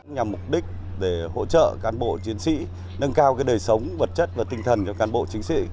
nhằm mục đích để hỗ trợ cán bộ chiến sĩ nâng cao đời sống vật chất và tinh thần cho cán bộ chiến sĩ